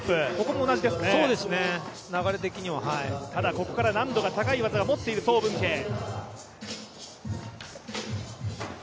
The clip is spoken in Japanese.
ここから難度が高い技を持っている、曾文ケイ。